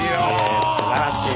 すばらしい。